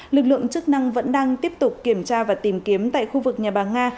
lực lượng chức năng vẫn đang tiếp tục kiểm tra và tìm kiếm tại khu vực nhà bà nga